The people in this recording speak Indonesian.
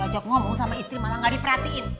jog ngomong sama istri malah gak diperhatiin